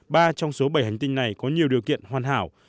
ba trong số bảy hành tinh này có nhiều điều kiện hoàn hảo